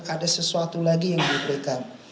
ada sesuatu lagi yang diberikan